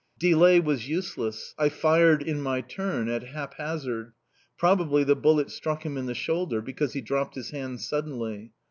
Delay was useless; I fired in my turn, at haphazard. Probably the bullet struck him in the shoulder, because he dropped his hand suddenly.